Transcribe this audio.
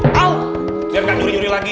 biar gak nyuri nyuri lagi